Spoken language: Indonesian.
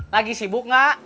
lagi sibuk gak